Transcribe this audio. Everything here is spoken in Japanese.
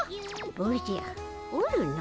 おじゃおるの。